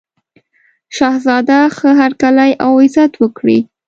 شهزاده ښه هرکلی او عزت وکړي.